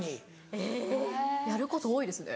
えぇやること多いですね。